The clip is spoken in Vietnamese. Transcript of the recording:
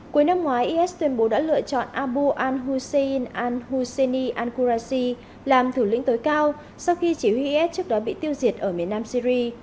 cuối năm ngoái is tuyên bố đã lựa chọn abu al hussein al husseini al qurasi làm thủ lĩnh tối cao sau khi chỉ huy is trước đó bị tiêu diệt ở miền nam syri